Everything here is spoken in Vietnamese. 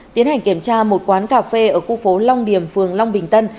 tiến hành kiểm tra một quán cà phê ở khu phố long điểm phường long bình tân